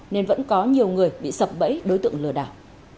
nên vẫn có nhiều người bị sập bẫy đối tượng lừa đảo